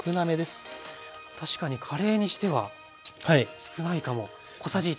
確かにカレーにしては少ないかも。